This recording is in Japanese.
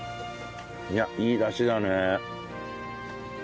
いやいいダシだね。